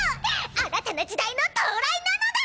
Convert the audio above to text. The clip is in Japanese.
新たな時代の到来なのだ！